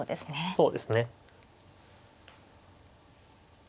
そうですね。